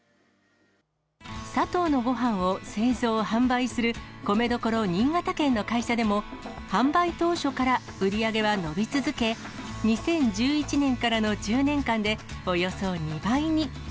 サトウのごはんを製造・販売する米どころ、新潟県の会社でも、販売当初から売り上げは伸び続け、２０１１年からの１０年間でおよそ２倍に。